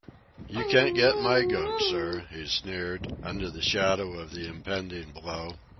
"You can't get my goat, sir," he sneered, under the shadow of the impending blow.